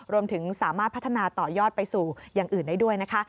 รวมถึงสามารถพัฒนาต่อยอดไปสู่อย่างอื่นได้ด้วยนะคะ